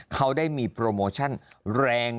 เขาได้มีโปรโมชั่นแรง